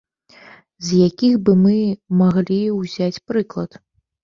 З якіх бы мы маглі ўзяць прыклад?